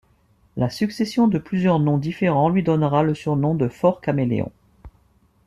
La succession de plusieurs noms différents lui donnera le surnom de Fort Caméléon.